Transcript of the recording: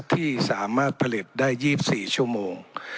ที่สามารถผลิตได้๒๔ชั่วโมง